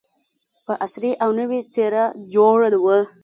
په عصري او نوې څېره جوړه وه.